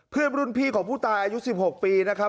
เพื่อนรุ่นพี่ของผู้ตายอายุ๑๖ปีนะครับ